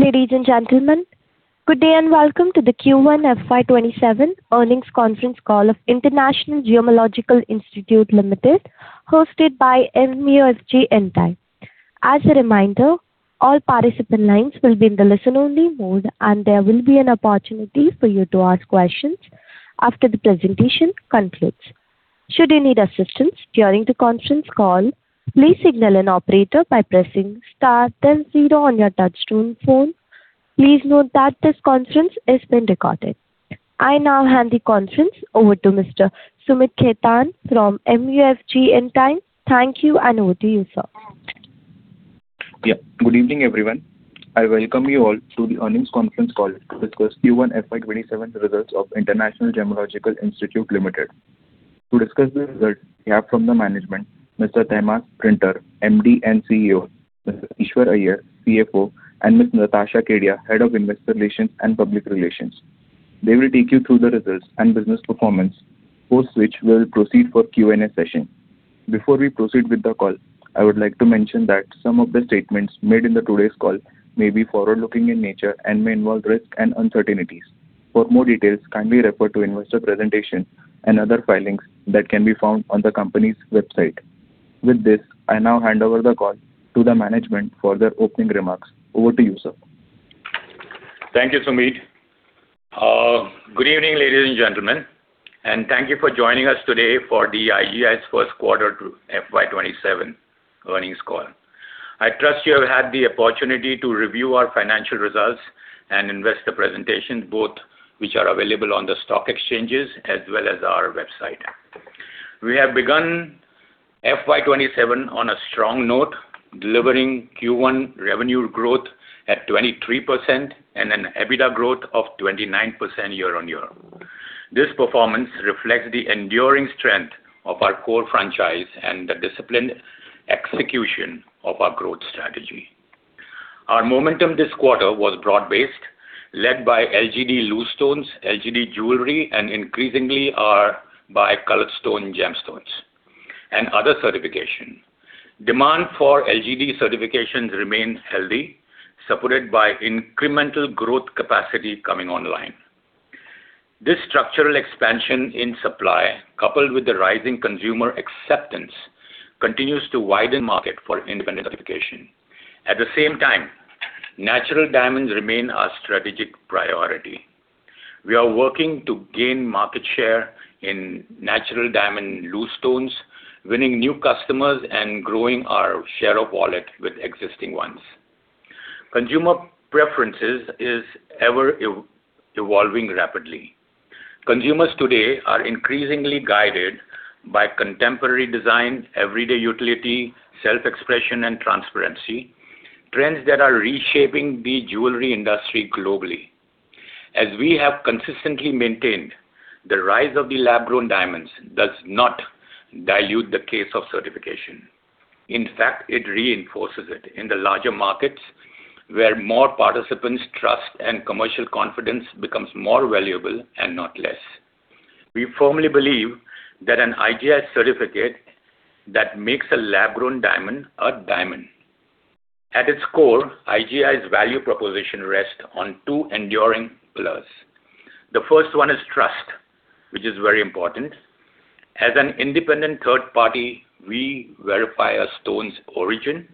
Ladies and gentlemen, good day and welcome to the Q1 FY 2027 earnings conference call of International Gemmological Institute Limited, hosted by MUFG. As a reminder, all participant lines will be in the listen-only mode, and there will be an opportunity for you to ask questions after the presentation concludes. Should you need assistance during the conference call, please signal an operator by pressing star then zero on your touch-tone phone. Please note that this conference is being recorded. I now hand the conference over to Mr. Sumeet Khaitan from MUFG. Thank you, and over to you, sir. Good evening, everyone. I welcome you all to the earnings conference call, discuss Q1 FY 2027 results of International Gemmological Institute Limited. To discuss the results we have from the management, Mr. Tehmasp Printer, MD and CEO, Mr. Eashwar Iyer, CFO, and Ms. Natasha Kedia, Head of Investor Relations and Public Relations. They will take you through the results and business performance, post which we will proceed for Q&A session. Before we proceed with the call, I would like to mention that some of the statements made in today's call may be forward-looking in nature and may involve risks and uncertainties. For more details, kindly refer to investor presentation and other filings that can be found on the company's website. With this, I now hand over the call to the management for their opening remarks. Over to you, sir. Thank you, Sumeet. Good evening, ladies and gentlemen, and thank you for joining us today for the IGI first quarter FY 2027 earnings call. I trust you have had the opportunity to review our financial results and investor presentations, both which are available on the stock exchanges as well as our website. We have begun FY 2027 on a strong note, delivering Q1 revenue growth at 23% and an EBITDA growth of 29% year-on-year. This performance reflects the enduring strength of our core franchise and the disciplined execution of our growth strategy. Our momentum this quarter was broad-based, led by LGD loose stones, LGD jewelry, and increasingly by colored stone gemstones and other certification. Demand for LGD certifications remains healthy, supported by incremental growth capacity coming online. This structural expansion in supply, coupled with the rising consumer acceptance, continues to widen market for independent certification. At the same time, natural diamonds remain our strategic priority. We are working to gain market share in natural diamond loose stones, winning new customers, and growing our share of wallet with existing ones. Consumer preferences is ever evolving rapidly. Consumers today are increasingly guided by contemporary design, everyday utility, self-expression, and transparency, trends that are reshaping the jewelry industry globally. As we have consistently maintained, the rise of the lab-grown diamonds does not dilute the case of certification. In fact, it reinforces it in the larger markets where more participants' trust and commercial confidence becomes more valuable and not less. We firmly believe that an IGI certificate that makes a lab-grown diamond a diamond. At its core, IGI's value proposition rests on two enduring pillars. The first one is trust, which is very important. As an independent third party, we verify a stone's origin,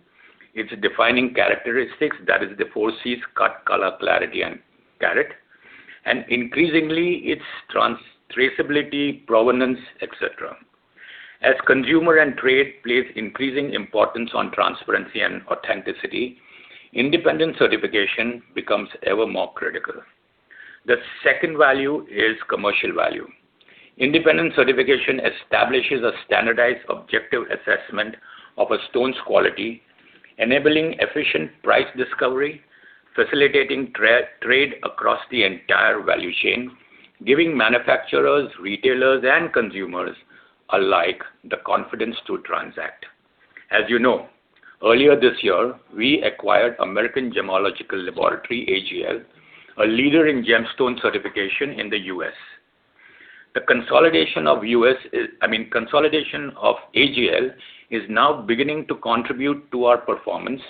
its defining characteristics, that is the four Cs, cut, color, clarity, and carat, and increasingly, its traceability, provenance, et cetera. As consumer and trade place increasing importance on transparency and authenticity, independent certification becomes ever more critical. The second value is commercial value. Independent certification establishes a standardized objective assessment of a stone's quality, enabling efficient price discovery, facilitating trade across the entire value chain, giving manufacturers, retailers, and consumers alike the confidence to transact. As you know, earlier this year, we acquired American Gemological Laboratories, AGL, a leader in gemstone certification in the U.S. The consolidation of AGL is now beginning to contribute to our performance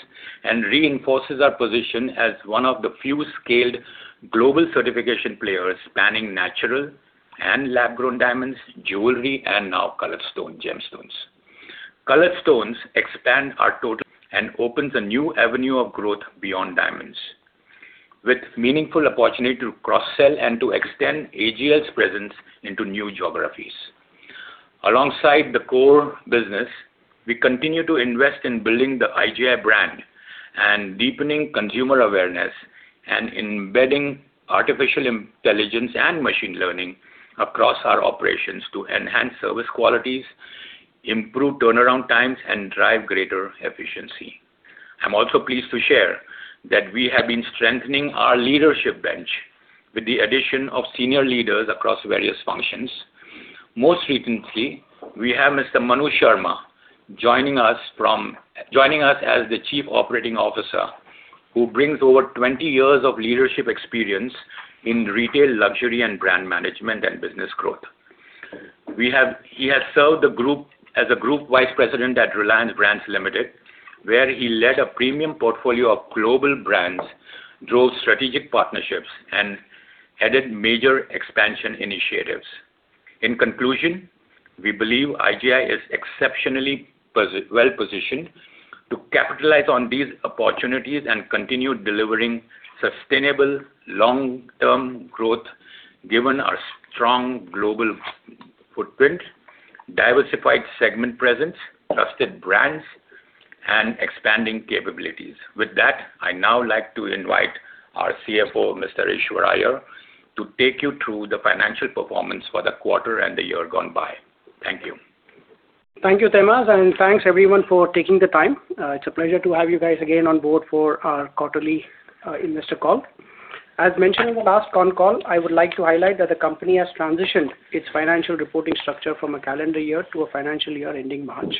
and reinforces our position as one of the few scaled global certification players spanning natural and lab-grown diamonds, jewelry, and now colored stone gemstones. Colored stones expand our total and opens a new avenue of growth beyond diamonds, with meaningful opportunity to cross-sell and to extend AGL's presence into new geographies. Alongside the core business, we continue to invest in building the IGI brand and deepening consumer awareness and embedding artificial intelligence and machine learning across our operations to enhance service qualities, improve turnaround times, and drive greater efficiency. I am also pleased to share that we have been strengthening our leadership bench with the addition of senior leaders across various functions. Most recently, we have Mr. Manu Sharma joining us as the Chief Operating Officer, who brings over 20 years of leadership experience in retail, luxury, and brand management and business growth. He has served as a Group Vice President at Reliance Brands Limited, where he led a premium portfolio of global brands, drove strategic partnerships, and headed major expansion initiatives. In conclusion, we believe IGI is exceptionally well-positioned to capitalize on these opportunities and continue delivering sustainable long-term growth given our strong global footprint, diversified segment presence, trusted brands, and expanding capabilities. With that, I would now like to invite our CFO, Mr. Eashwar Iyer, to take you through the financial performance for the quarter and the year gone by. Thank you. Thank you, Tehmasp, and thanks everyone for taking the time. It is a pleasure to have you guys again on board for our quarterly investor call. As mentioned in the last con call, I would like to highlight that the company has transitioned its financial reporting structure from a calendar year to a financial year ending March.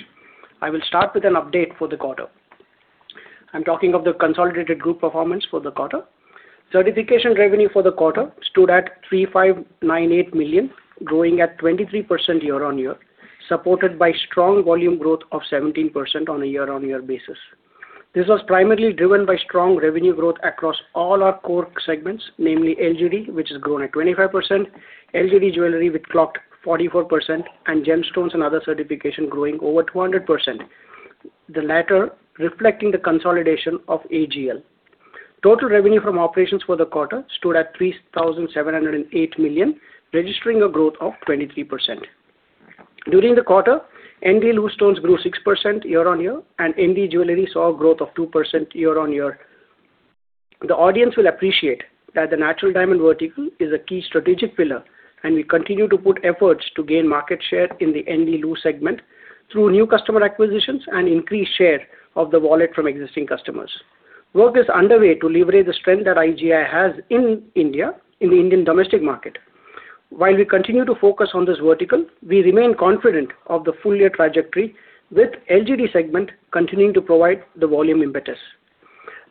I will start with an update for the quarter. I am talking of the consolidated group performance for the quarter. Certification revenue for the quarter stood at 3,598 million, growing at 23% year-on-year, supported by strong volume growth of 17% on a year-on-year basis. This was primarily driven by strong revenue growth across all our core segments, namely LGD, which has grown at 25%, LGD jewelry which clocked 44%, and gemstones and other certification growing over 200%. The latter reflecting the consolidation of AGL. Total revenue from operations for the quarter stood at 3,708 million, registering a growth of 23%. During the quarter, ND loose stones grew 6% year-over-year, and ND jewelry saw a growth of 2% year-over-year. The audience will appreciate that the natural diamond vertical is a key strategic pillar, and we continue to put efforts to gain market share in the ND loose segment through new customer acquisitions and increased share of the wallet from existing customers. Work is underway to leverage the strength that IGI has in India, in the Indian domestic market. While we continue to focus on this vertical, we remain confident of the full year trajectory, with LGD segment continuing to provide the volume impetus.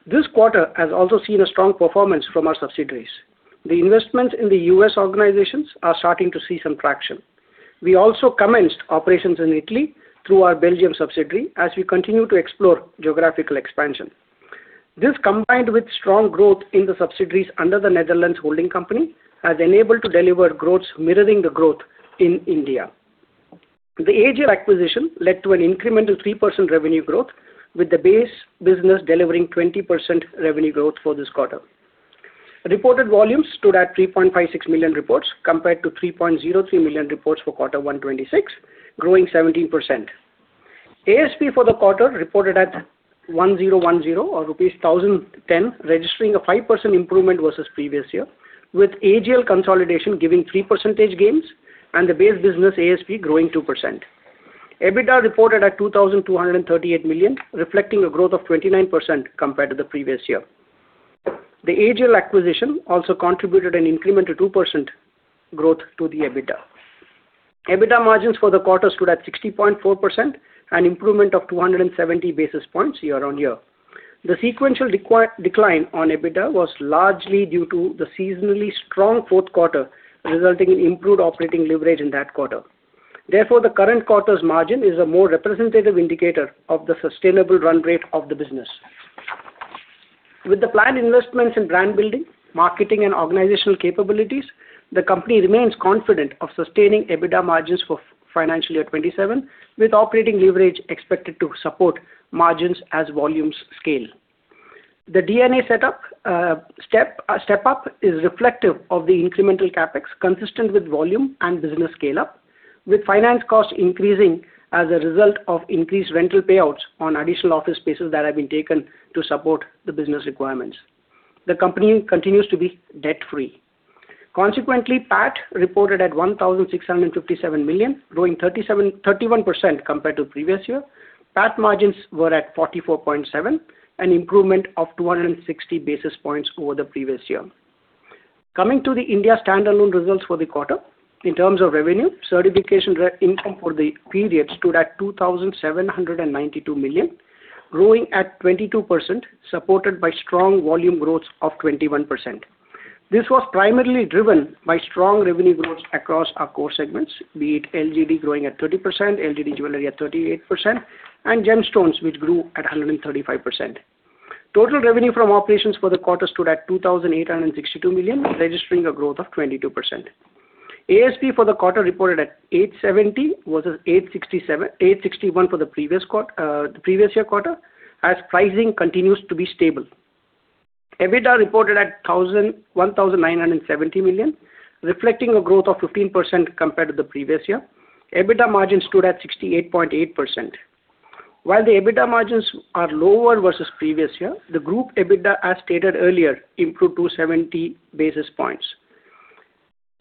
This quarter has also seen a strong performance from our subsidiaries. The investments in the U.S. organizations are starting to see some traction. We also commenced operations in Italy through our Belgium subsidiary as we continue to explore geographical expansion. This, combined with strong growth in the subsidiaries under the Netherlands holding company, has enabled to deliver growth mirroring the growth in India. The AGL acquisition led to an incremental 3% revenue growth, with the base business delivering 20% revenue growth for this quarter. Reported volumes stood at 3.56 million reports, compared to 3.03 million reports for quarter 126, growing 17%. ASP for the quarter reported at rupees 1,010, registering a 5% improvement versus previous year, with AGL consolidation giving three percentage gains and the base business ASP growing 2%. EBITDA reported at 2,238 million, reflecting a growth of 29% compared to the previous year. The AGL acquisition also contributed an incremental 2% growth to the EBITDA. EBITDA margins for the quarter stood at 60.4%, an improvement of 270 basis points year-over-year. The sequential decline on EBITDA was largely due to the seasonally strong fourth quarter, resulting in improved operating leverage in that quarter. Therefore, the current quarter's margin is a more representative indicator of the sustainable run rate of the business. With the planned investments in brand building, marketing, and organizational capabilities, the company remains confident of sustaining EBITDA margins for Financial Year 2027, with operating leverage expected to support margins as volumes scale. The D&A step up is reflective of the incremental CapEx consistent with volume and business scale-up, with finance costs increasing as a result of increased rental payouts on additional office spaces that have been taken to support the business requirements. The company continues to be debt-free. Consequently, PAT reported at 1,657 million, growing 31% compared to previous year. PAT margins were at 44.7%, an improvement of 260 basis points over the previous year. Coming to the India standalone results for the quarter, in terms of revenue, certification income for the period stood at 2,792 million, growing at 22%, supported by strong volume growth of 21%. This was primarily driven by strong revenue growth across our core segments, be it LGD growing at 30%, LGD jewelry at 38%, and gemstones, which grew at 135%. Total revenue from operations for the quarter stood at 2,862 million, registering a growth of 22%. ASP for the quarter reported at 870 versus 861 for the previous year quarter, as pricing continues to be stable. EBITDA reported at 1,970 million, reflecting a growth of 15% compared to the previous year. EBITDA margin stood at 68.8%. While the EBITDA margins are lower versus previous year, the group EBITDA, as stated earlier, improved 270 basis points.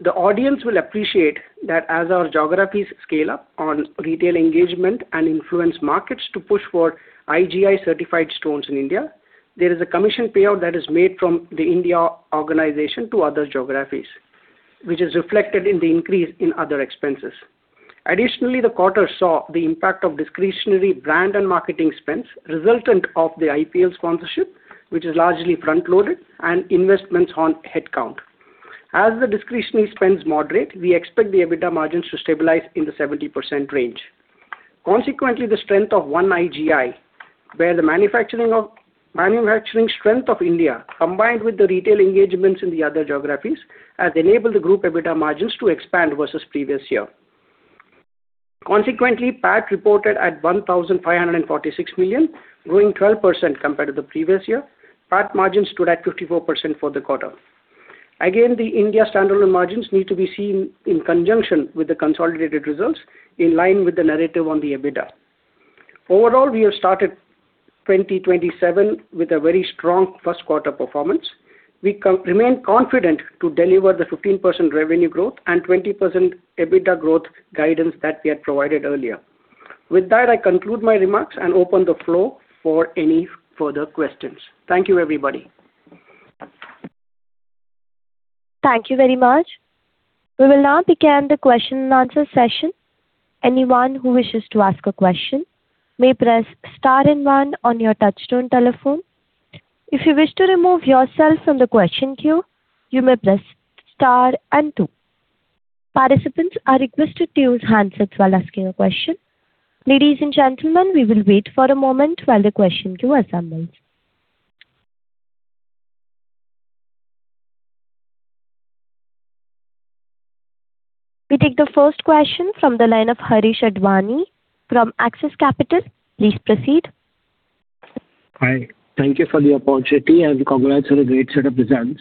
The audience will appreciate that as our geographies scale up on retail engagement and influence markets to push for IGI-certified stones in India, there is a commission payout that is made from the India organization to other geographies, which is reflected in the increase in other expenses. Additionally, the quarter saw the impact of discretionary brand and marketing spends resultant of the IPL sponsorship Which is largely front-loaded and investments on headcount. As the discretionary spends moderate, we expect the EBITDA margins to stabilize in the 70% range. Consequently, the strength of one IGI, where the manufacturing strength of India, combined with the retail engagements in the other geographies, has enabled the group EBITDA margins to expand versus previous year. Consequently, PAT reported at 1,546 million, growing 12% compared to the previous year. PAT margins stood at 54% for the quarter. Again, the India standalone margins need to be seen in conjunction with the consolidated results in line with the narrative on the EBITDA. Overall, we have started 2027 with a very strong first quarter performance. We remain confident to deliver the 15% revenue growth and 20% EBITDA growth guidance that we had provided earlier. With that, I conclude my remarks and open the floor for any further questions. Thank you, everybody. Thank you very much. We will now begin the question and answer session. Anyone who wishes to ask a question may press star and one on your touchtone telephone. If you wish to remove yourself from the question queue, you may press star and two. Participants are requested to use handsets while asking a question. Ladies and gentlemen, we will wait for a moment while the question queue assembles. We take the first question from the line of Harish Advani from Axis Capital. Please proceed. Hi. Thank you for the opportunity and congrats on a great set of results.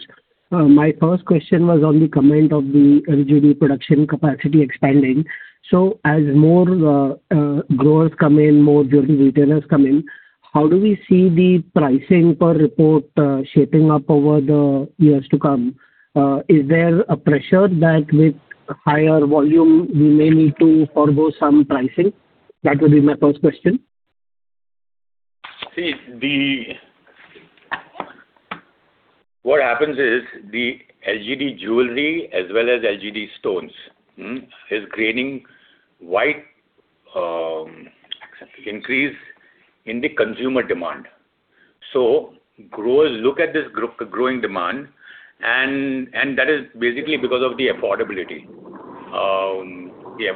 My first question was on the comment of the LGD production capacity expanding. As more growers come in, more jewelry retailers come in, how do we see the pricing per report shaping up over the years to come? Is there a pressure that with higher volume, we may need to forego some pricing? That would be my first question. What happens is the LGD jewelry as well as LGD stones is gaining wide increase in the consumer demand. Growers look at this growing demand, and that is basically because of the affordability. The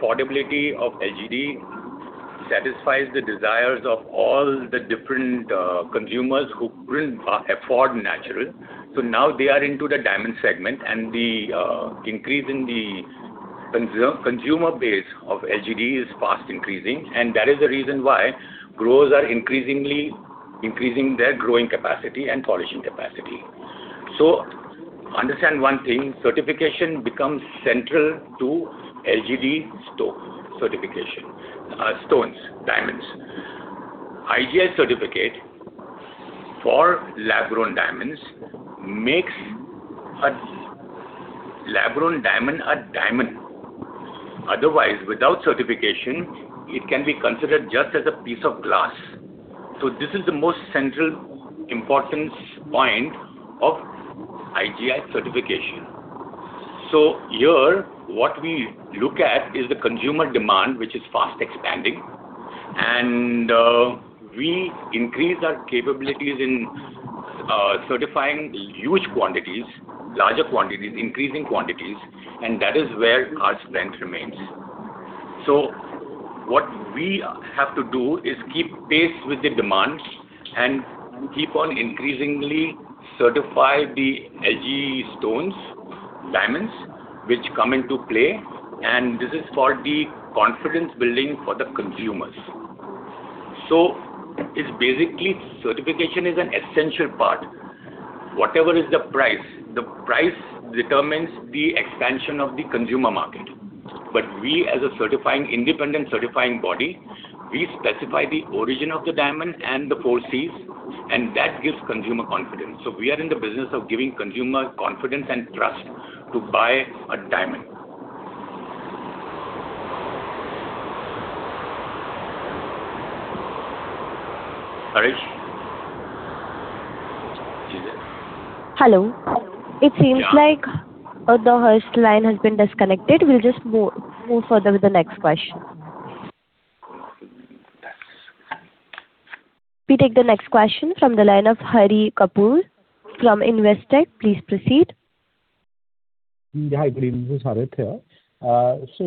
affordability of LGD satisfies the desires of all the different consumers who couldn't afford natural. Now they are into the diamond segment, and the increase in the consumer base of LGD is fast increasing. That is the reason why growers are increasing their growing capacity and polishing capacity. Understand one thing, certification becomes central to LGD certification. Stones, diamonds. IGI certificate for lab-grown diamonds makes a lab-grown diamond a diamond. Otherwise, without certification, it can be considered just as a piece of glass. This is the most central importance point of IGI certification. Here, what we look at is the consumer demand, which is fast expanding. We increase our capabilities in certifying huge quantities, larger quantities, increasing quantities, and that is where our strength remains. What we have to do is keep pace with the demand and keep on increasingly certifying the LGD stones, diamonds, which come into play, and this is for the confidence building for the consumers. Basically, certification is an essential part. Whatever is the price, the price determines the expansion of the consumer market. We as a independent certifying body, we specify the origin of the diamond and the four Cs, and that gives consumer confidence. We are in the business of giving consumer confidence and trust to buy a diamond. Harish? Are you there? Hello. Yeah. It seems like the first line has been disconnected. We'll just move further with the next question. Thanks. We take the next question from the line of Harit Kapoor from Investec. Please proceed. Hi, good evening. This is Harit here.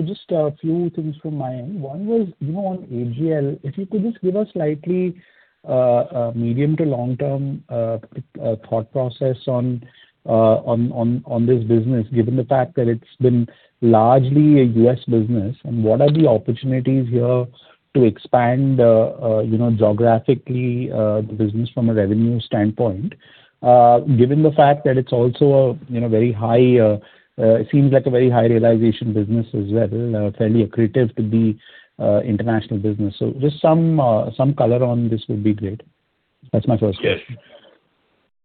Just a few things from my end. One was, on AGL, if you could just give a slightly medium to long-term thought process on this business, given the fact that it's been largely a U.S. business, and what are the opportunities here to expand geographically the business from a revenue standpoint, given the fact that it seems like a very high realization business as well, fairly accretive to the international business. Just some color on this would be great. That's my first question. Yes.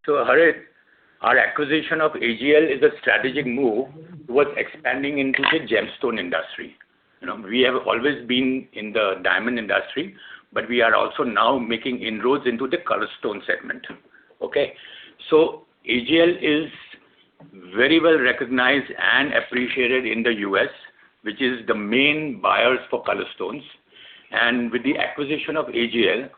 Harit, our acquisition of AGL is a strategic move towards expanding into the gemstone industry. We have always been in the diamond industry, but we are also now making inroads into the colored stone segment. Okay? AGL is very well recognized and appreciated in the U.S., which is the main buyers for colored stones. With the acquisition of AGL,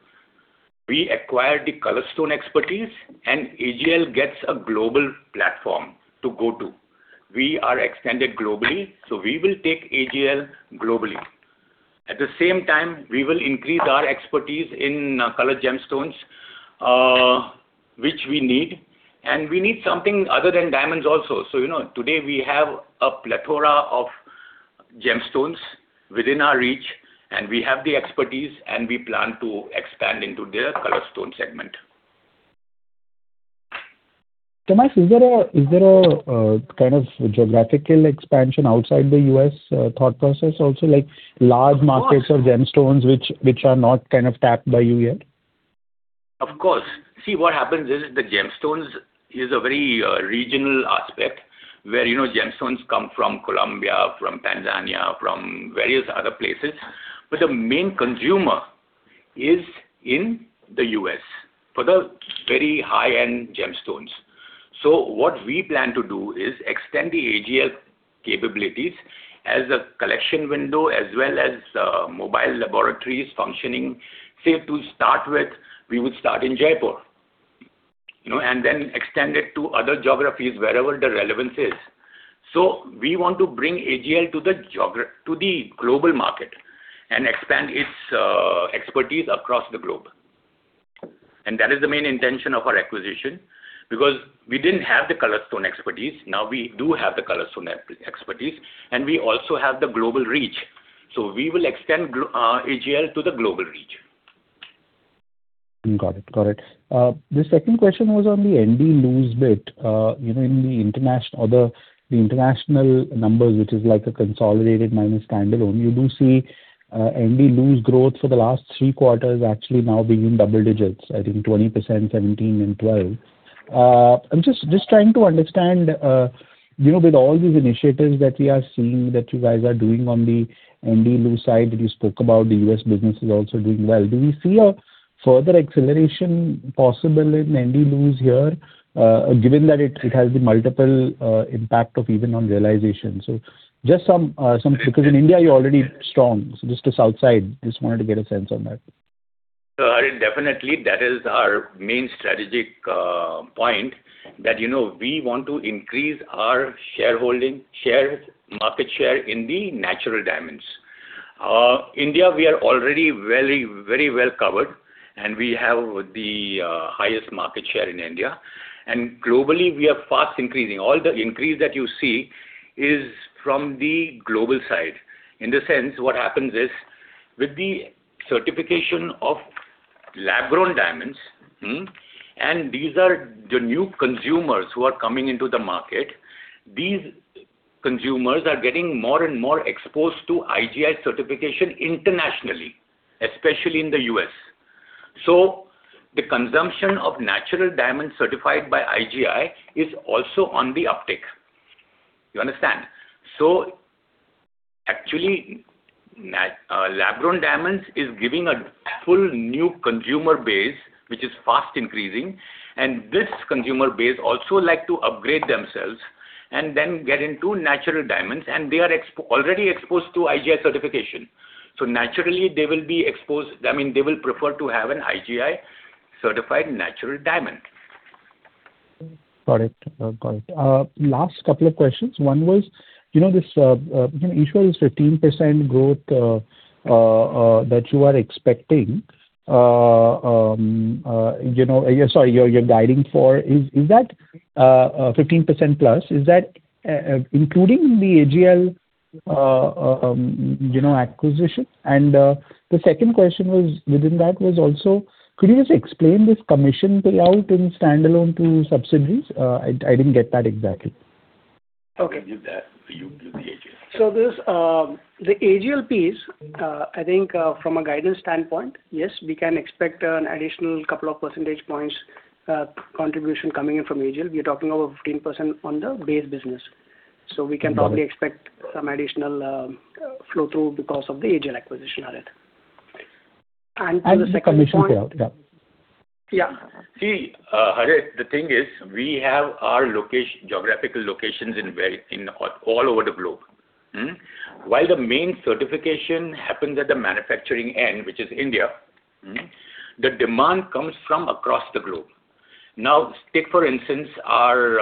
we acquired the colored stone expertise, and AGL gets a global platform to go to. We are extended globally, we will take AGL globally. At the same time, we will increase our expertise in colored gemstones, which we need, we need something other than diamonds also. Today we have a plethora of gemstones within our reach, and we have the expertise, and we plan to expand into their colored stone segment. Tehmasp, is there a kind of geographical expansion outside the U.S. thought process also? Of course. Markets of gemstones which are not kind of tapped by you yet? Of course. See, what happens is, the gemstones is a very regional aspect, where gemstones come from Colombia, from Tanzania, from various other places. The main consumer is in the U.S. for the very high-end gemstones. What we plan to do is extend the AGL capabilities as a collection window as well as mobile laboratories functioning. To start with, we would start in Jaipur, and then extend it to other geographies wherever the relevance is. We want to bring AGL to the global market and expand its expertise across the globe. That is the main intention of our acquisition, because we didn't have the colored stone expertise. Now we do have the colored stone expertise, and we also have the global reach. We will extend AGL to the global reach. Got it. The second question was on the ND loose bit. In the international numbers, which is like a consolidated minus standalone, you do see ND loose growth for the last three quarters actually now being double digits, I think 20%, 17%, and 12%. I'm just trying to understand, with all these initiatives that we are seeing that you guys are doing on the ND loose side that you spoke about, the U.S. business is also doing well. Do we see a further acceleration possible in ND loose here, given that it has the multiple impact of even on realization? Just some, because in India you're already strong, so just this outside, just wanted to get a sense on that. Definitely, that is our main strategic point that we want to increase our market share in the natural diamonds. India, we are already very well covered, and we have the highest market share in India. Globally, we are fast increasing. All the increase that you see is from the global side. In the sense, what happens is, with the certification of lab-grown diamonds, and these are the new consumers who are coming into the market. These consumers are getting more and more exposed to IGI certification internationally, especially in the U.S. The consumption of natural diamonds certified by IGI is also on the uptick. You understand? Actually, lab-grown diamonds is giving a full new consumer base, which is fast increasing, and this consumer base also like to upgrade themselves and then get into natural diamonds, and they are already exposed to IGI certification. Naturally, they will prefer to have an IGI-certified natural diamond. Got it. Last couple of questions. One was, this initial 15% growth that you are expecting, sorry, you're guiding for, is that 15% plus, is that including the AGL acquisition? The second question within that was also, could you just explain this commission payout in standalone to subsidiaries? I didn't get that exactly. Okay. I'll give that to you, to the AGL. The AGL piece, I think from a guidance standpoint, yes, we can expect an additional couple of percentage points contribution coming in from AGL. We're talking about 15% on the base business. We can probably expect some additional flow-through because of the AGL acquisition added. To the second point- The commission payout, yeah. Yeah. See, Harit, the thing is, we have our geographical locations all over the globe. While the main certification happens at the manufacturing end, which is India, the demand comes from across the globe. Now, take for instance, our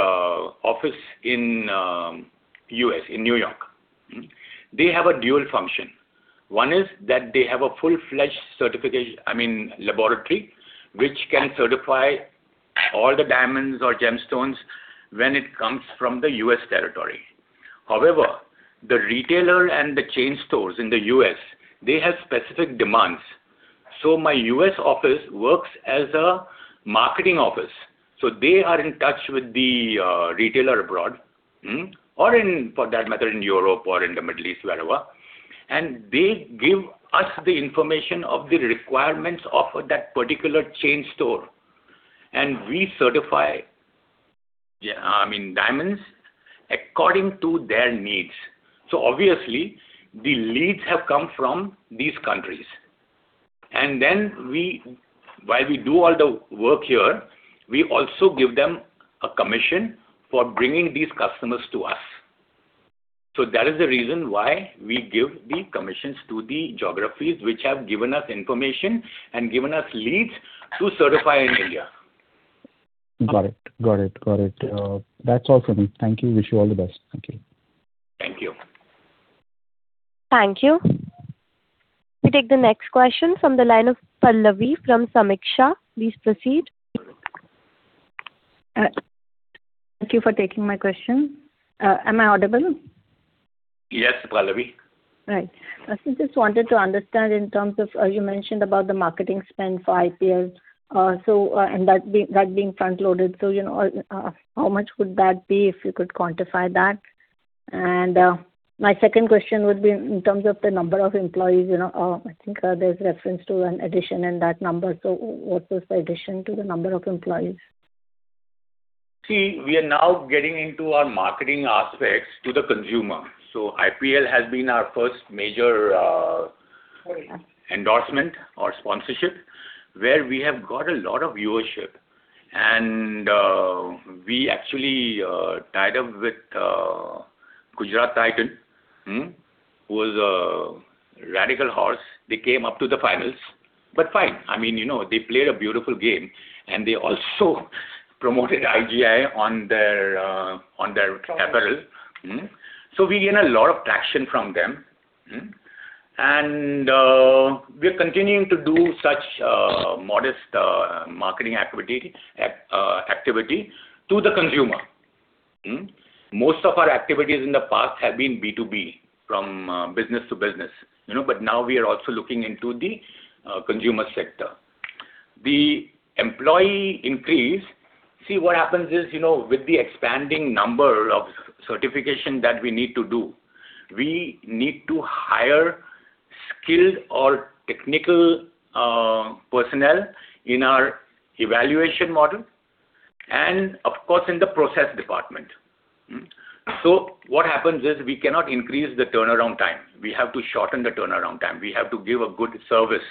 office in U.S., in New York. They have a dual function. One is that they have a full-fledged laboratory which can certify all the diamonds or gemstones when it comes from the U.S. territory. However, the retailer and the chain stores in the U.S., they have specific demands. My U.S. office works as a marketing office. They are in touch with the retailer abroad. Or in, for that matter, in Europe or in the Middle East, wherever, and they give us the information of the requirements of that particular chain store, and we certify diamonds according to their needs. Obviously, the leads have come from these countries. While we do all the work here, we also give them a commission for bringing these customers to us. That is the reason why we give the commissions to the geographies which have given us information and given us leads to certify in India. Got it. That's all from me. Thank you. Wish you all the best. Thank you. Thank you. Thank you. We take the next question from the line of Pallavi from Sameeksha. Please proceed. Thank you for taking my question. Am I audible? Yes, Pallavi. Right. I just wanted to understand in terms of, you mentioned about the marketing spend for IPL, and that being front-loaded. How much would that be, if you could quantify that? My second question would be in terms of the number of employees. I think there's reference to an addition in that number. What was the addition to the number of employees? See, we are now getting into our marketing aspects to the consumer. IPL has been our first major. Area Endorsement or sponsorship, where we have got a lot of viewership. We actually tied up with Gujarat Titans, who was a radical horse. They came up to the finals, but fine. They played a beautiful game, and they also promoted IGI on their apparel. We gain a lot of traction from them. We're continuing to do such modest marketing activity to the consumer. Most of our activities in the past have been B2B, from business to business. Now we are also looking into the consumer sector. The employee increase, see, what happens is, with the expanding number of certification that we need to do, we need to hire skilled or technical personnel in our evaluation model, and of course, in the process department. What happens is we cannot increase the turnaround time. We have to shorten the turnaround time. We have to give a good service,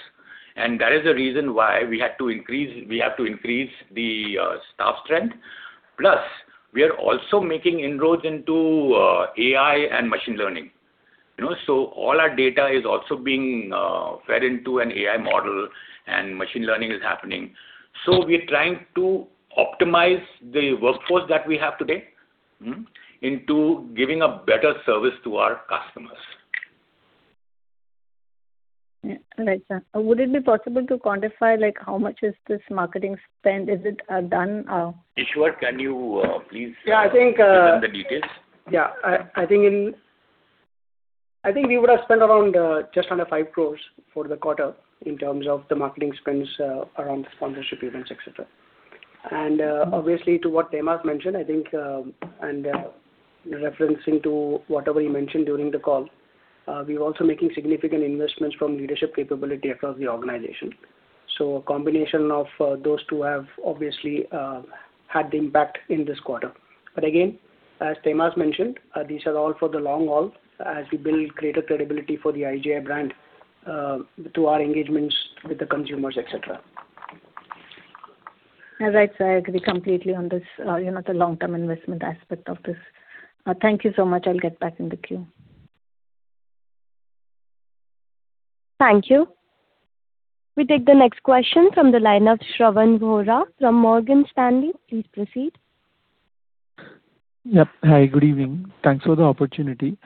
and that is the reason why we have to increase the staff strength. Plus, we are also making inroads into AI and machine learning. All our data is also being fed into an AI model and machine learning is happening. We're trying to optimize the workforce that we have today into giving a better service to our customers. Right, sir. Would it be possible to quantify how much is this marketing spend? Eashwar, Yeah Give them the details? I think we would've spent just under 5 crore for the quarter in terms of the marketing spends around the sponsorship events, et cetera. Obviously, to what Tehmasp mentioned, I think, and referencing to whatever you mentioned during the call, we're also making significant investments from leadership capability across the organization. A combination of those two have obviously had the impact in this quarter. Again, as Tehmasp mentioned, these are all for the long haul as we build greater credibility for the IGI brand to our engagements with the consumers, et cetera. All right, sir. I agree completely on this, the long-term investment aspect of this. Thank you so much. I'll get back in the queue. Thank you. We take the next question from the line of Shravan Vora from Morgan Stanley. Please proceed. Yep. Hi, good evening. Thanks for the opportunity.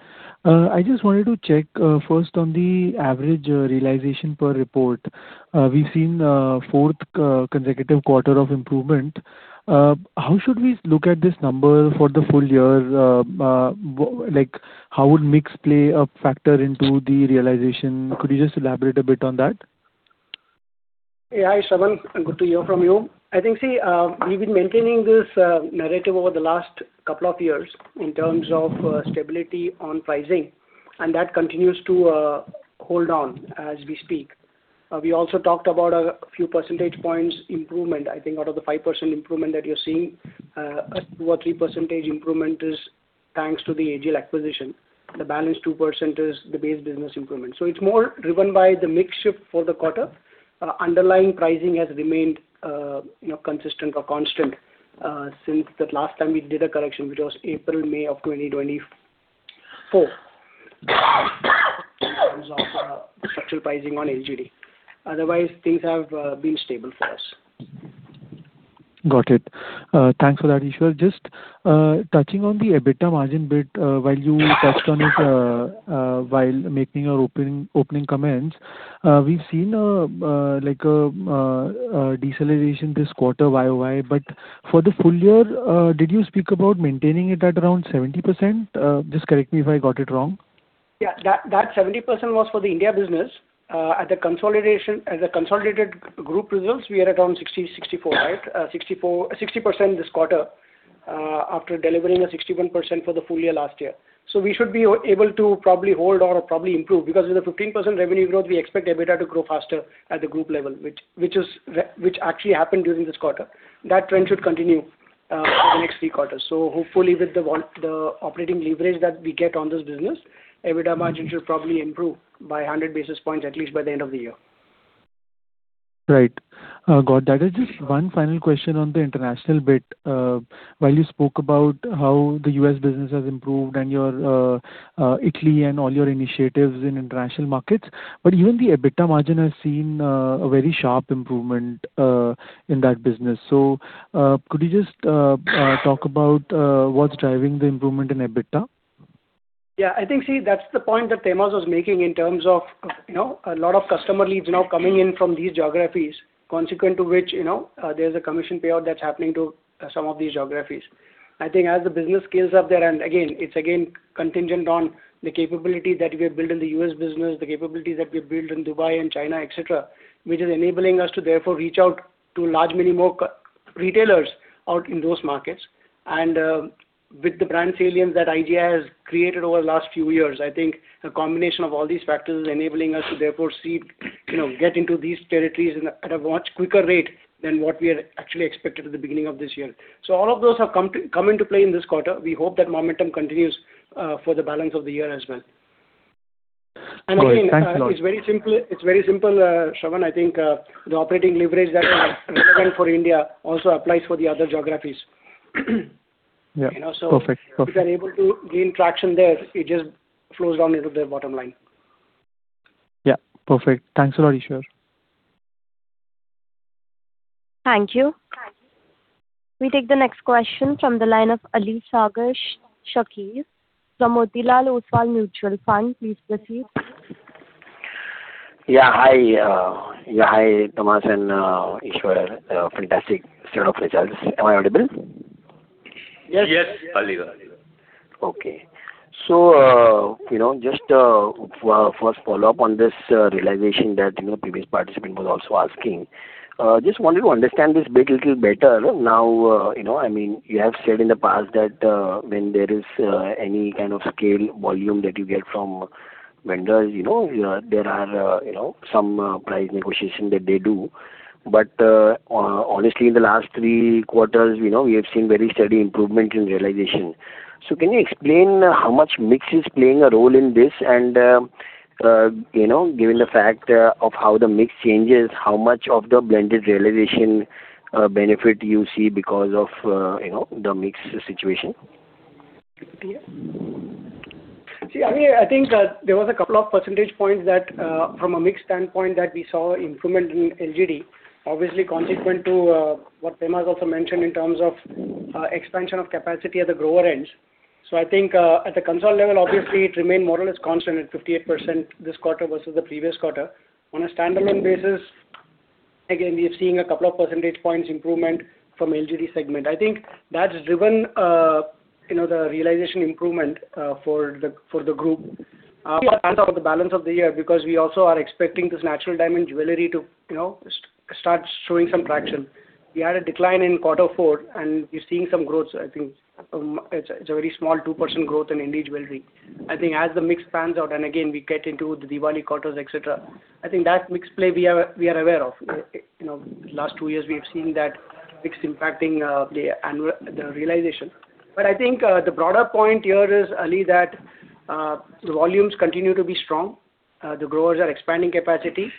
I just wanted to check, first on the average realization per report. We've seen fourth consecutive quarter of improvement. How should we look at this number for the full year? How would mix play a factor into the realization? Could you just elaborate a bit on that? Yeah, Shravan, good to hear from you. I think, see, we've been maintaining this narrative over the last couple of years in terms of stability on pricing, that continues to hold on as we speak. We also talked about a few percentage points improvement. I think out of the 5% improvement that you're seeing, 2% or 3% improvement is thanks to the AGL acquisition. The balance 2% is the base business improvement. It's more driven by the mix shift for the quarter. Underlying pricing has remained consistent or constant since the last time we did a correction, which was April, May of 2024 in terms of structural pricing on LGD. Otherwise, things have been stable for us. Got it. Thanks for that, Eashwar. Just touching on the EBITDA margin bit, while you touched on it while making your opening comments. We've seen a deceleration this quarter YOY. For the full year, did you speak about maintaining it at around 70%? Just correct me if I got it wrong. Yeah. That 70% was for the India business. As a consolidated group results, we are around 60%, 64%, right? 60% this quarter, after delivering a 61% for the full year last year. We should be able to probably hold or probably improve, because with a 15% revenue growth, we expect EBITDA to grow faster at the group level, which actually happened during this quarter. That trend should continue. For the next three quarters. Hopefully with the operating leverage that we get on this business, EBITDA margin should probably improve by 100 basis points, at least by the end of the year. Right. Got that. Just one final question on the international bit. While you spoke about how the U.S. business has improved and your Italy and all your initiatives in international markets, even the EBITDA margin has seen a very sharp improvement in that business. Could you just talk about what's driving the improvement in EBITDA? Yeah, I think, see, that's the point that Tehmasp was making in terms of a lot of customer leads now coming in from these geographies, consequent to which there's a commission payout that's happening to some of these geographies. I think as the business scales up there, again, it's again contingent on the capability that we have built in the U.S. business, the capabilities that we've built in Dubai and China, et cetera, which is enabling us to therefore reach out to large many more retailers out in those markets. With the brand salience that IGI has created over the last few years, I think the combination of all these factors is enabling us to therefore get into these territories at a much quicker rate than what we had actually expected at the beginning of this year. All of those have come into play in this quarter. We hope that momentum continues for the balance of the year as well. All right. Thanks a lot. Again, it's very simple, Shravan. I think the operating leverage that is relevant for India also applies for the other geographies. Yeah. Perfect. If we are able to gain traction there, it just flows down into the bottom line. Yeah. Perfect. Thanks a lot, Eashwar. Thank you. We take the next question from the line of Ali Sagar Shakir from Motilal Oswal Mutual Fund. Please proceed. Yeah, hi. Yeah, hi, Tehmasp and Eashwar. Fantastic set of results. Am I audible? Yes. Yes, Ali. Okay. Just a first follow-up on this realization that previous participant was also asking. Just wanted to understand this bit little better. Now, you have said in the past that when there is any kind of scale volume that you get from vendors, there are some price negotiation that they do. Honestly, in the last three quarters, we have seen very steady improvement in realization. Can you explain how much mix is playing a role in this and, given the fact of how the mix changes, how much of the blended realization benefit you see because of the mix situation? Do you want to take this? Sure. I think there was a couple of percentage points that from a mix standpoint that we saw improvement in LGD, obviously consequent to what Tehmasp also mentioned in terms of expansion of capacity at the grower end. I think at the console level, obviously, it remained more or less constant at 58% this quarter versus the previous quarter. On a stand-alone basis, again, we have seen a couple of percentage points improvement from LGD segment. I think that's driven the realization improvement for the group. Yeah. For the balance of the year, because we also are expecting this natural diamond jewelry to start showing some traction. We had a decline in quarter four, and we're seeing some growth. I think it's a very small 2% growth in ND jewelry. I think as the mix pans out and again, we get into the Diwali quarters, et cetera, I think that mix play we are aware of. Last two years, we have seen that mix impacting the realization. I think the broader point here is, Ali, that the volumes continue to be strong. The growers are expanding capacity.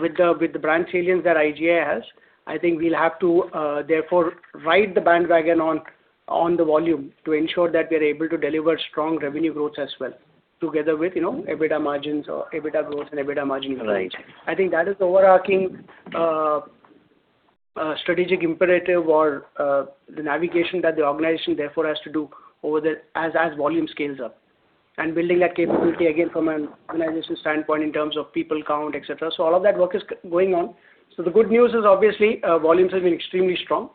With the brand salience that IGI has, I think we'll have to therefore ride the bandwagon on the volume to ensure that we're able to deliver strong revenue growth as well, together with EBITDA margins or EBITDA growth and EBITDA margin range. Right. I think that is overarching strategic imperative or the navigation that the organization therefore has to do as volume scales up. Building that capability, again, from an organization standpoint in terms of people count, et cetera. All of that work is going on. The good news is obviously, volumes have been extremely strong,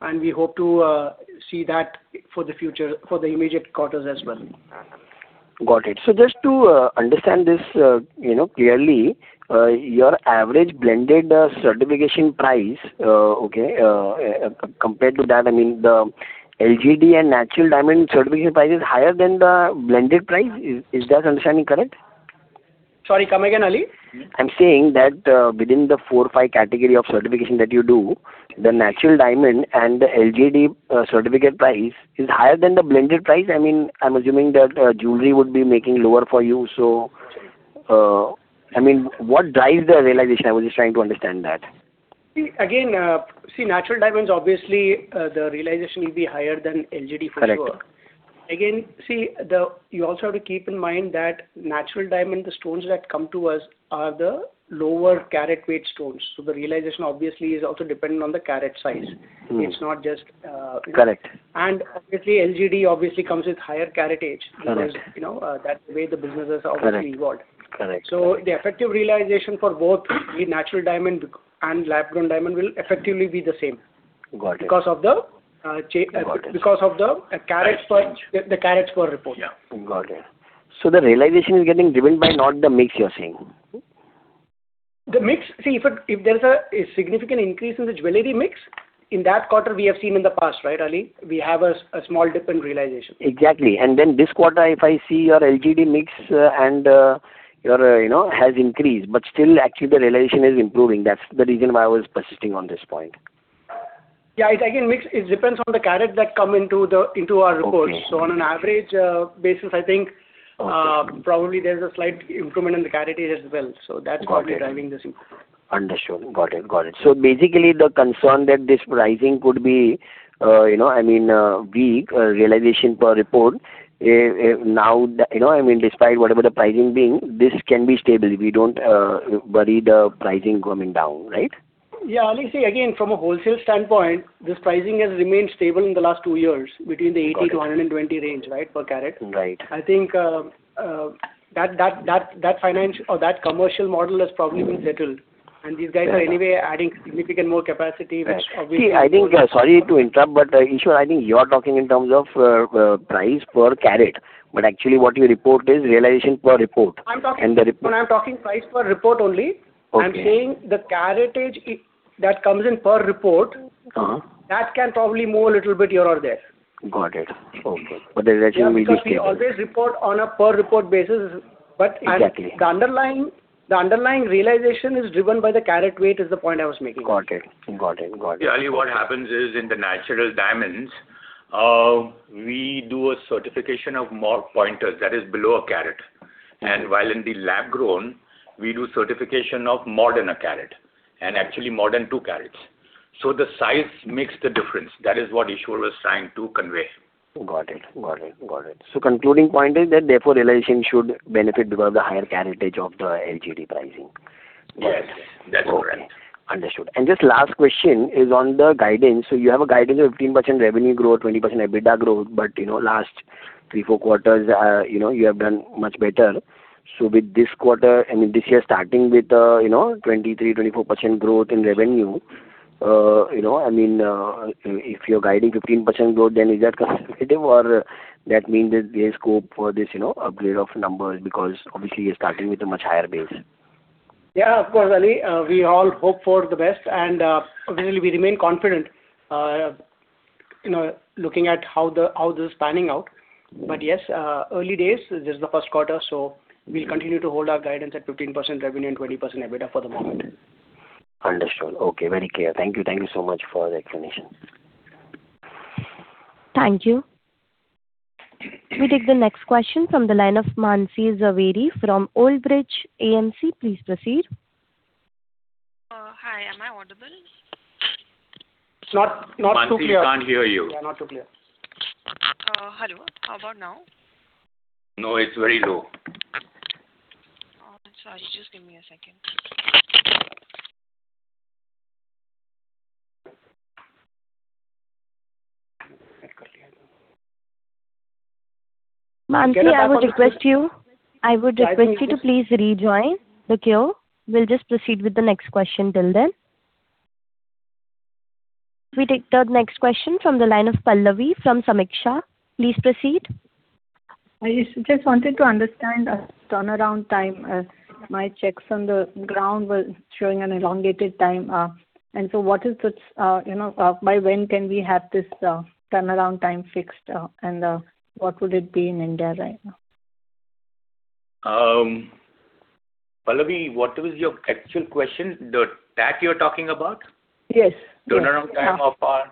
and we hope to see that for the immediate quarters as well. Got it. Just to understand this clearly, your average blended certification price, okay, compared to that, I mean, the LGD and natural diamond certification price is higher than the blended price. Is that understanding correct? Sorry. Come again, Ali? I'm saying that within the four or five category of certification that you do, the natural diamond and the LGD certificate price is higher than the blended price. I'm assuming that jewelry would be making lower for you. What drives the realization? I was just trying to understand that. See, again, natural diamonds, obviously, the realization will be higher than LGD for sure. Correct. Again, see, you also have to keep in mind that natural diamond, the stones that come to us are the lower carat weight stones. The realization obviously is also dependent on the carat size. It's not just- Correct LGD obviously comes with higher caratage. Correct. That's the way the business has obviously evolved. Correct. The effective realization for both the natural diamond and lab-grown diamond will effectively be the same. Got it. Because of the- Got it. Carat per report. Yeah. Got it. The realization is getting driven by not the mix you're saying? The mix, if there's a significant increase in the jewelry mix, in that quarter, we have seen in the past, right, Ali? We have a small dip in realization. Exactly. This quarter, if I see your LGD mix has increased, but still actually the realization is improving. That's the reason why I was persisting on this point. Yeah. Again, it depends on the carat that come into our reports. Okay. On an average basis, I think probably there's a slight increment in the caratage as well. Got it. Is driving this. Understood. Got it. Basically the concern that this pricing could be weak realization per report, despite whatever the pricing being, this can be stable. We don't worry the pricing coming down, right? Yeah. Ali, see, again, from a wholesale standpoint, this pricing has remained stable in the last two years between the $80 to $120 range per carat. Right. I think that commercial model has probably been settled. These guys are anyway adding significant more capacity. See, I think, sorry to interrupt, Eashwar, I think you're talking in terms of price per carat. Actually what you report is realization per report. No, I'm talking price per report only. Okay. I'm saying the caratage that comes in per report. That can probably move a little bit here or there. Got it. Okay. The revenue will be stable. Because we always report on a per report basis. Exactly. The underlying realization is driven by the carat weight, is the point I was making. Got it. Ali, what happens is, in the natural diamonds, we do a certification of more pointers, that is below a carat. While in the lab-grown, we do certification of more than a carat, and actually more than two carats. The size makes the difference. That is what Ishu was trying to convey. Got it. Concluding point is that therefore realization should benefit because of the higher caratage of the LGD pricing. Yes, that's correct. Okay. Understood. Just last question is on the guidance. You have a guidance of 15% revenue growth, 20% EBITDA growth. Last three, four quarters, you have done much better. With this quarter, I mean, this year starting with 23%, 24% growth in revenue, if you're guiding 15% growth, is that conservative or that means there's scope for this upgrade of numbers because obviously you're starting with a much higher base? Yeah, of course, Ali. We all hope for the best, obviously we remain confident looking at how this is panning out. Yes, early days, this is the first quarter, we'll continue to hold our guidance at 15% revenue and 20% EBITDA for the moment. Understood. Okay. Very clear. Thank you so much for the explanation. Thank you. We take the next question from the line of Mansi Zaveri from Old Bridge AMC. Please proceed. Hi, am I audible? It's not too clear. Mansi, can't hear you. Yeah, not too clear. Hello, how about now? No, it's very low. Oh, sorry. Just give me a second. Mansi, I would request you to please rejoin the queue. We'll just proceed with the next question till then. We take the next question from the line of Pallavi from Sameeksha. Please proceed. I just wanted to understand turnaround time. By when can we have this turnaround time fixed, and what would it be in India right now? Pallavi, what was your actual question? The TAT you're talking about? Yes. That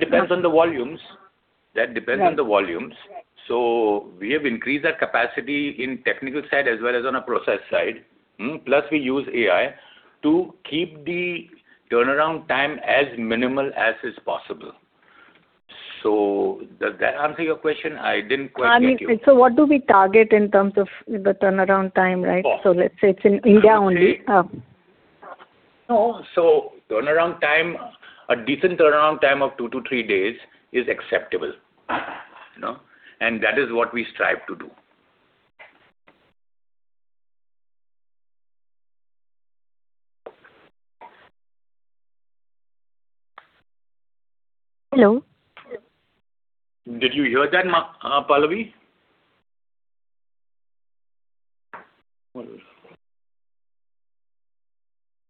depends on the volumes. Right. We have increased our capacity in technical side as well as on a process side. Plus we use AI to keep the turnaround time as minimal as is possible. Does that answer your question? I didn't quite get you. What do we target in terms of the turnaround time? Let's say it's in India only. A decent turnaround time of two to three days is acceptable. That is what we strive to do. Hello? Did you hear that, Pallavi?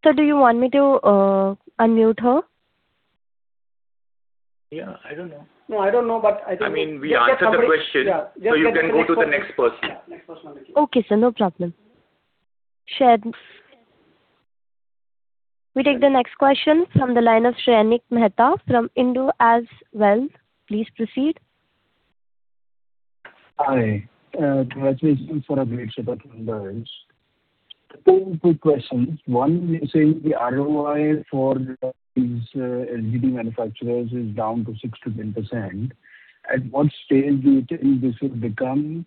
Sir, do you want me to unmute her? Yeah, I don't know. No, I don't know. We answered the question, you can go to the next person. Yeah. Next person. Okay, sir, no problem. Sure. We take the next question from the line of Shrenik Mehta from IndoAlps Wealth. Please proceed. Hi. Congratulations for upgrades of the numbers. Two quick questions. One, you're saying the ROI for these LGD manufacturers is down to 6%-10%. At what stage do you think this will become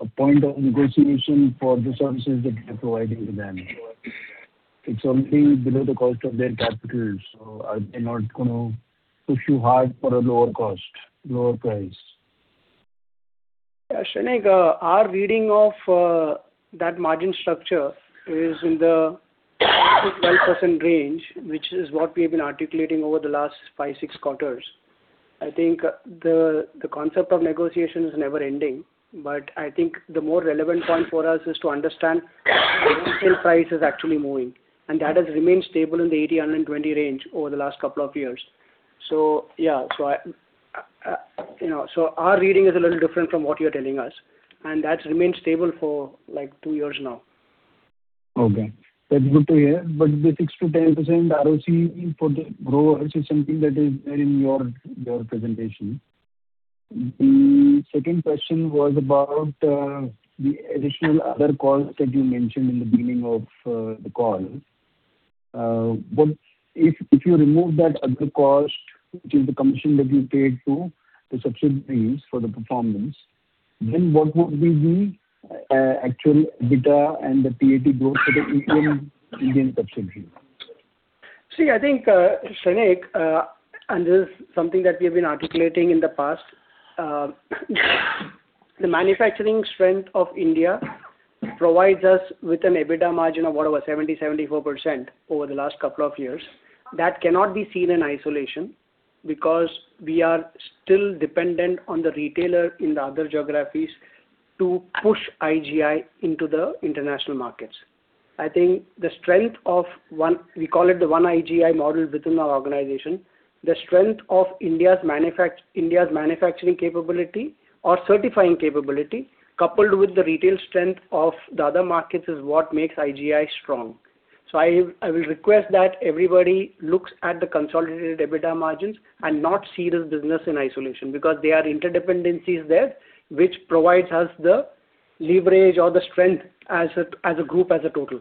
a point of negotiation for the services that you're providing to them? It's only below the cost of their capital, are they not going to push you hard for a lower cost, lower price? Yeah, Shrenik, our reading of that margin structure is in the 5%-12% range, which is what we have been articulating over the last five, six quarters. I think the concept of negotiation is never ending. The more relevant point for us is to understand the wholesale price is actually moving, and that has remained stable in the $80-$120 range over the last couple of years. Our reading is a little different from what you're telling us, and that's remained stable for two years now. Okay. That's good to hear. The 6%-10% ROC for the growers is something that is there in your presentation. The second question was about the additional other costs that you mentioned in the beginning of the call. What if you remove that other cost, which is the commission that you paid to the subsidiaries for the performance, then what would be the actual EBITDA and the PAT growth for the Indian subsidiary? See, I think, Shrenik, this is something that we have been articulating in the past. The manufacturing strength of India provides us with an EBITDA margin of over 70%-74% over the last couple of years. That cannot be seen in isolation because we are still dependent on the retailer in the other geographies to push IGI into the international markets. I think the strength of, we call it the one IGI model within our organization, the strength of India's manufacturing capability or certifying capability, coupled with the retail strength of the other markets, is what makes IGI strong. I will request that everybody looks at the consolidated EBITDA margins and not see this business in isolation, because there are interdependencies there which provides us the leverage or the strength as a group, as a total.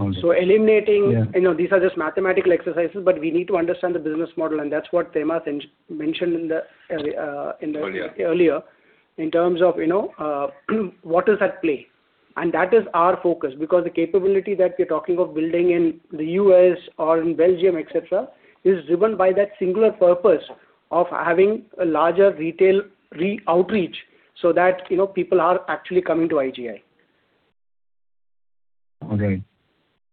Okay. Eliminating- Yeah These are just mathematical exercises, but we need to understand the business model, and that's what Tehmasp mentioned. Earlier Earlier, in terms of what is at play. That is our focus, because the capability that we're talking of building in the U.S. or in Belgium, et cetera, is driven by that singular purpose of having a larger retail outreach so that people are actually coming to IGI. Okay.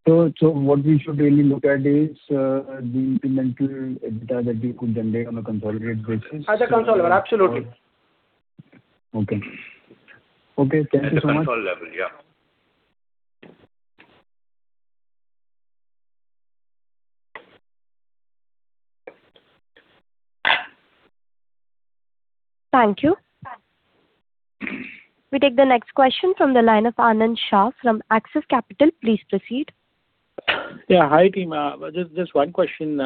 What we should really look at is the incremental EBITDA that we could generate on a consolidated basis. At a consolidated, absolutely. Okay. Okay. Thank you so much. At a consolidated level, yeah. Thank you. We take the next question from the line of Anand Shah from Axis Capital. Please proceed. Yeah. Hi, team. Just one question.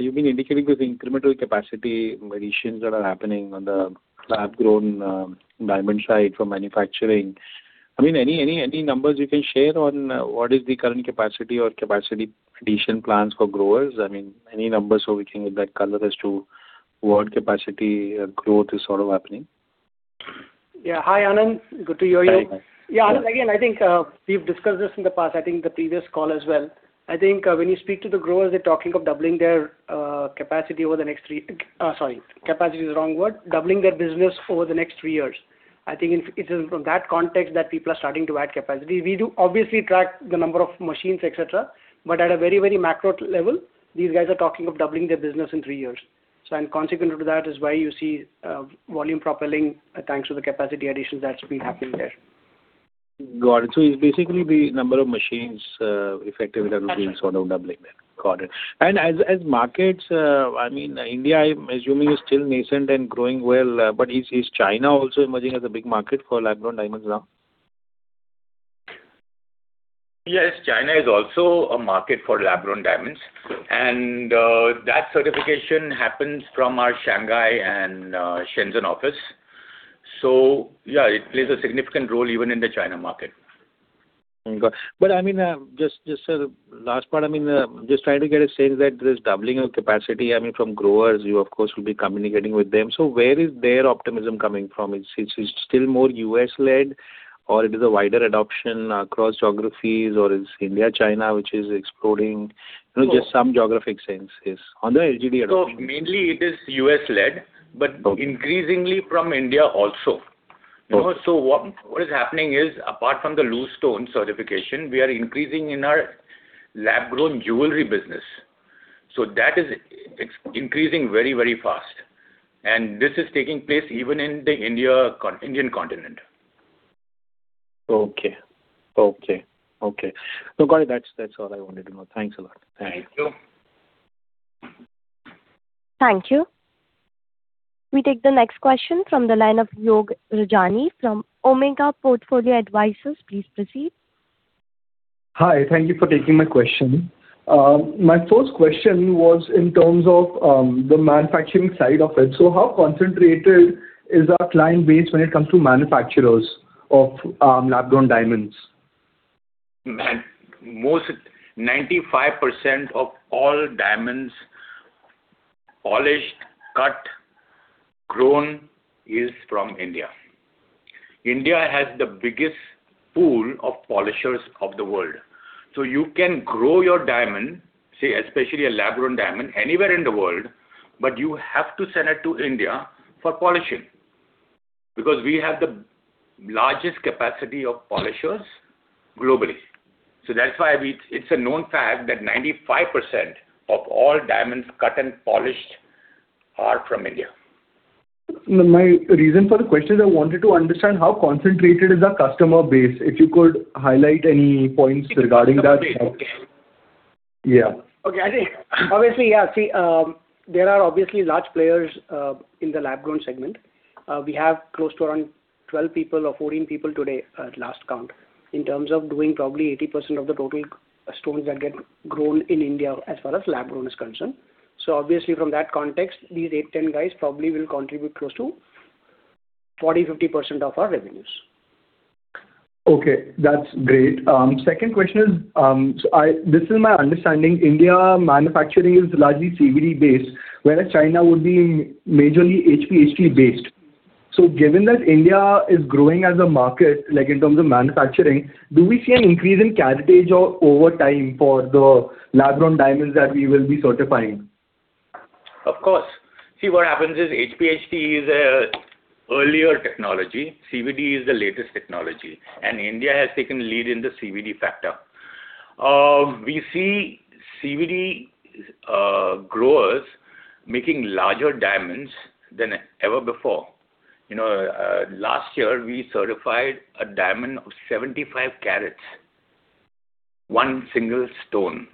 You've been indicating this incremental capacity additions that are happening on the lab-grown diamond side for manufacturing. Any numbers you can share on what is the current capacity or capacity addition plans for growers? Any numbers, so we can get that color as to what capacity growth is sort of happening. Yeah. Hi, Anand. Good to hear you. Hello. Yeah, Anand, again, I think we've discussed this in the past, I think the previous call as well. I think when you speak to the growers, they're talking of doubling their capacity over the next three. Sorry, capacity is a wrong word. Doubling their business over the next three years. I think it is from that context that people are starting to add capacity. We do obviously track the number of machines, et cetera, but at a very macro level, these guys are talking of doubling their business in three years. Consequent to that is why you see volume propelling, thanks to the capacity additions that's been happening there. Got it. It's basically the number of machines effectively that are being sort of doubling there. Got it. As markets, India, I'm assuming is still nascent and growing well, but is China also emerging as a big market for lab-grown diamonds now? Yes. China is also a market for lab-grown diamonds. Good. That certification happens from our Shanghai and Shenzhen office. Yeah, it plays a significant role even in the China market. Got it. Just the last part, just trying to get a sense that this doubling of capacity, from growers, you of course, will be communicating with them. Where is their optimism coming from? It is still more U.S.-led, or it is a wider adoption across geographies, or is India, China, which is exploding? Just some geographic sense is on the IGI adoption. Mainly it is U.S.-led, but increasingly from India also. Okay. What is happening is, apart from the loose stone certification, we are increasing in our lab-grown jewelry business. That is increasing very fast. This is taking place even in the Indian continent. Okay. Got it. That's all I wanted to know. Thanks a lot. Thank you. Thank you. We take the next question from the line of Yog Rajani from Omega Portfolio Advisors. Please proceed. Hi. Thank you for taking my question. My first question was in terms of the manufacturing side of it. How concentrated is that client base when it comes to manufacturers of lab-grown diamonds? Most 95% of all diamonds, polished, cut, grown, is from India. India has the biggest pool of polishers of the world. You can grow your diamond, say, especially a lab-grown diamond, anywhere in the world, but you have to send it to India for polishing, because we have the largest capacity of polishers globally. That's why it's a known fact that 95% of all diamonds cut and polished are from India. My reason for the question is I wanted to understand how concentrated is the customer base. If you could highlight any points regarding that. Yeah. Okay. Obviously, there are obviously large players in the lab-grown segment. We have close to around 12 people or 14 people today at last count, in terms of doing probably 80% of the total stones that get grown in India as far as lab-grown is concerned. Obviously from that context, these eight, 10 guys probably will contribute close to 40%, 50% of our revenues. Okay, that's great. Second question is, this is my understanding, India manufacturing is largely CVD-based, whereas China would be majorly HPHT-based. Given that India is growing as a market, in terms of manufacturing, do we see an increase in caratage over time for the lab-grown diamonds that we will be certifying? Of course. What happens is HPHT is a earlier technology, CVD is the latest technology. India has taken lead in the CVD factor. We see CVD growers making larger diamonds than ever before. Last year, we certified a diamond of 75 carats, one single stone,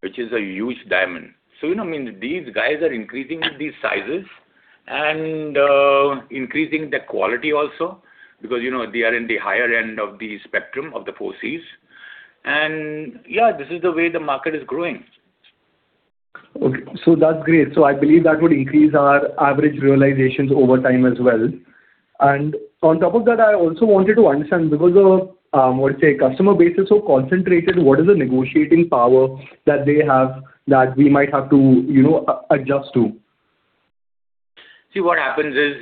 which is a huge diamond. You know, these guys are increasing these sizes and increasing the quality also because they are in the higher end of the spectrum of the four Cs. Yeah, this is the way the market is growing. Okay. That's great. I believe that would increase our average realizations over time as well. On top of that, I also wanted to understand because of, how to say, customer base is so concentrated, what is the negotiating power that they have that we might have to adjust to? What happens is,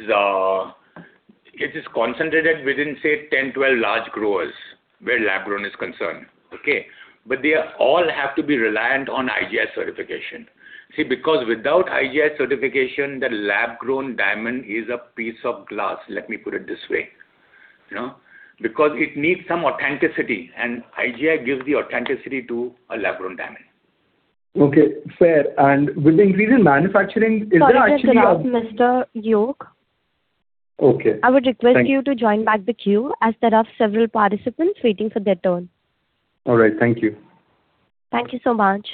it is concentrated within, say, 10, 12 large growers where lab-grown is concerned. Okay. They all have to be reliant on IGI certification. Because without IGI certification, the lab-grown diamond is a piece of glass, let me put it this way. Because it needs some authenticity. IGI gives the authenticity to a lab-grown diamond. Okay. Fair. With the increase in manufacturing, is there actually Sorry to interrupt, Mr. Yog. Okay. Thank you. I would request you to join back the queue, as there are several participants waiting for their turn. All right. Thank you. Thank you so much.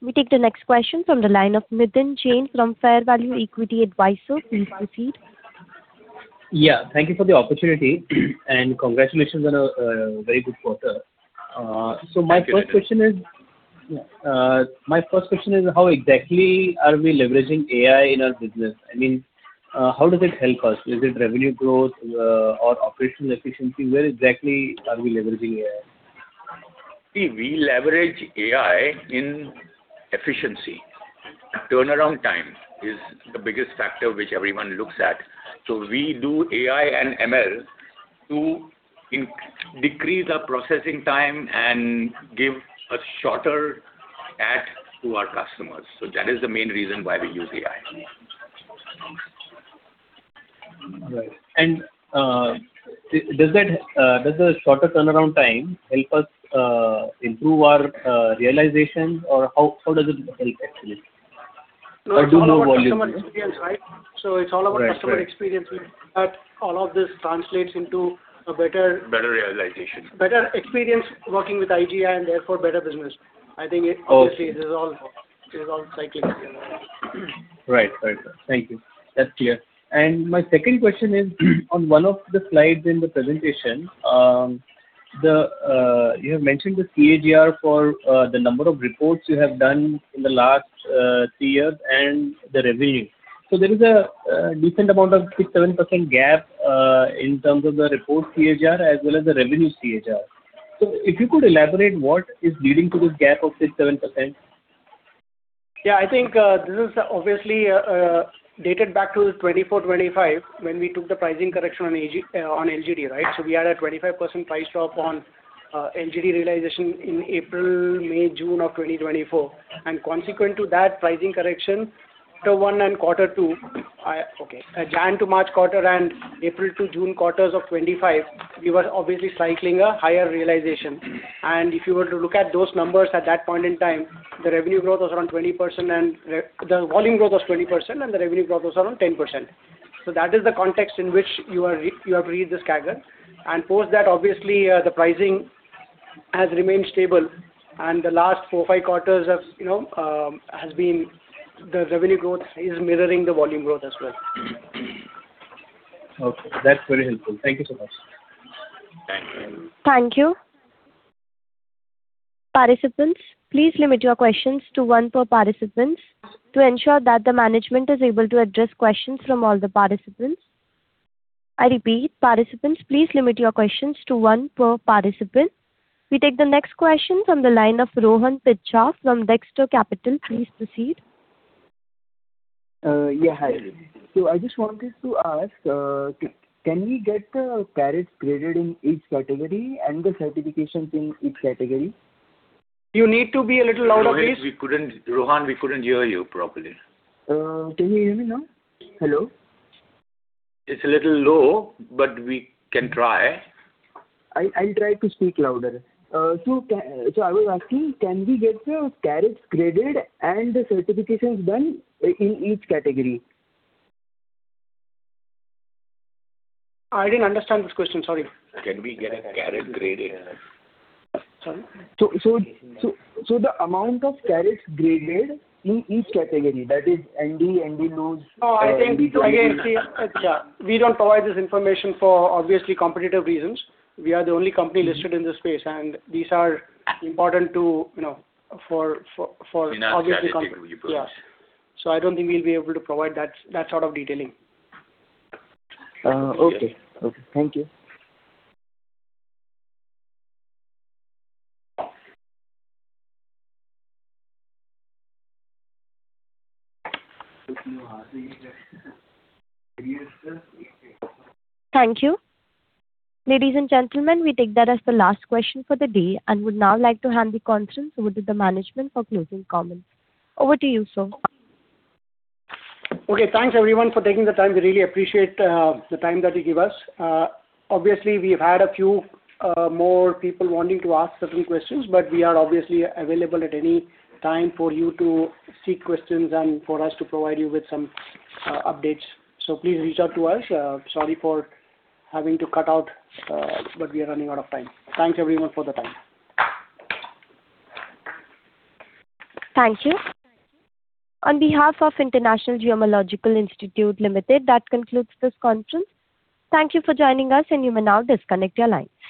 We take the next question from the line of Nitin Jain from Fairvalue Equity Advisor. Please proceed. Yeah. Thank you for the opportunity, and congratulations on a very good quarter. Thank you. My first question is, how exactly are we leveraging AI in our business? I mean, how does it help us? Is it revenue growth, or operational efficiency? Where exactly are we leveraging AI? We leverage AI in efficiency. Turnaround time is the biggest factor which everyone looks at. We do AI and ML to decrease our processing time and give a shorter TAT to our customers. That is the main reason why we use AI. Right. Does the shorter turnaround time help us improve our realization, or how does it help actually? It's all about customer experience, right? Right. It's all about customer experience. Better realization. Better experience working with IGI and therefore better business. I think. Okay. Obviously, it is all cyclic. Right. Thank you. That's clear. My second question is on one of the slides in the presentation, you have mentioned the CAGR for the number of reports you have done in the last three years and the revenue. There is a decent amount of 6%, 7% gap, in terms of the report CAGR as well as the revenue CAGR. If you could elaborate what is leading to this gap of 6%, 7%? I think, this is obviously dated back to 2024, 2025 when we took the pricing correction on LGD. We had a 25% price drop on LGD realization in April, May, June of 2024. Consequent to that pricing correction, Jan to March quarter and April to June quarters of 2025, we were obviously cycling a higher realization. If you were to look at those numbers at that point in time, the volume growth was 20% and the revenue growth was around 10%. That is the context in which you have to read this CAGR. Post that, obviously, the pricing has remained stable and the last four, five quarters the revenue growth is mirroring the volume growth as well. That's very helpful. Thank you so much. Thank you. Thank you. Participants, please limit your questions to one per participant to ensure that the management is able to address questions from all the participants. I repeat, participants, please limit your questions to one per participant. We take the next question from the line of Rohan Picha from Dexter Capital. Please proceed. Yeah. Hi. I just wanted to ask, can we get the carats graded in each category and the certifications in each category? You need to be a little louder, please. Rohan, we couldn't hear you properly. Can you hear me now? Hello. It's a little low, we can try. I'll try to speak louder. I was asking, can we get the carats graded and the certifications done in each category? I didn't understand this question, sorry. Can we get a carat graded? Sorry. The amount of carats graded in each category, that is ND loose. No, I think, again, see, we don't provide this information for obviously competitive reasons. We are the only company listed in this space, these are important for obviously comp. We're not sharing it with you, bro. Yeah. I don't think we'll be able to provide that sort of detailing. Okay. Thank you. Thank you. Ladies and gentlemen, we take that as the last question for the day, would now like to hand the conference over to the management for closing comments. Over to you, sir. Okay. Thanks everyone for taking the time. We really appreciate the time that you give us. Obviously, we've had a few more people wanting to ask certain questions, We are obviously available at any time for you to seek questions and for us to provide you with some updates. Please reach out to us. Sorry for having to cut out, We are running out of time. Thanks everyone for the time. Thank you. On behalf of International Gemmological Institute Limited, that concludes this conference. Thank you for joining us, You may now disconnect your lines.